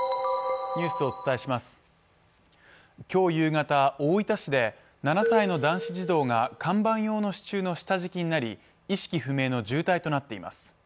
今日夕方、大分市で７歳の男子児童が看板用の支柱の下敷きになり意識不明の重体となっています。